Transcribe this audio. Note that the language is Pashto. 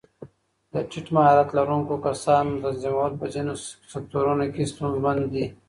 د ټیټ مهارت لرونکو کسانو تنظیمول په ځینو سکتورونو کې ستونزمن دي.